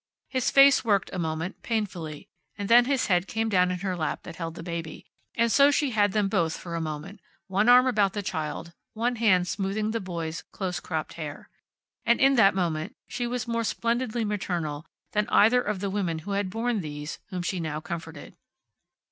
His face worked a moment, painfully and then his head came down in her lap that held the baby, and so she had them both for a moment, one arm about the child, one hand smoothing the boy's close cropped hair. And in that moment she was more splendidly maternal than either of the women who had borne these whom she now comforted.